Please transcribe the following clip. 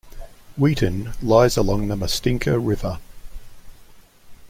Wheaton lies along the Mustinka River.